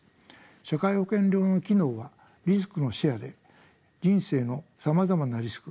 社会保険料の機能はリスクのシェアで人生のさまざまなリスク